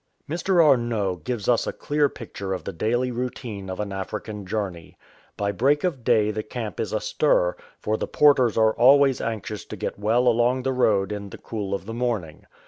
Mr. Arnot gives us a clear picture of the daily routine of an African journey. By break of day the camp is astir, for the porters are always anxious to get well along the road in the cool of the morning.